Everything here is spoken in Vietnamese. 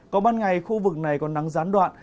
còn ban ngày khu vực này còn nắng gián đoạn